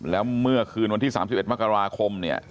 แล้วเมื่อคืนวันที่๓๑มกราคมเนี่ย